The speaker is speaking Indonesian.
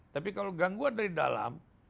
tapi kalau gangguan dari dalam